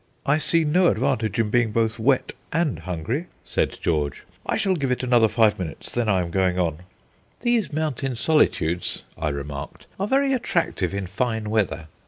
"I see no advantage in being both wet and hungry," said George. "I shall give it another five minutes, then I am going on." "These mountain solitudes," I remarked, "are very attractive in fine weather.